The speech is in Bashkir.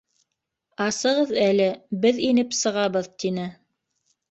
— Асығыҙ әле, беҙ инеп сығабыҙ, — тине.